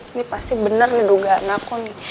ini pasti benar nih dugaan aku nih